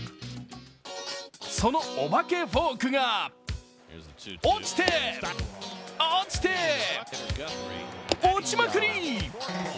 そのお化けフォークが落ちて、落ちて、落ちまくり。